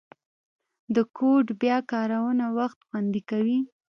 د کوډ بیا کارونه وخت خوندي کوي.